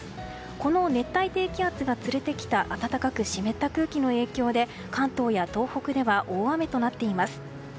この熱帯低気圧が連れてきた暖かく湿った空気の影響で関東や東北では大雨となっています。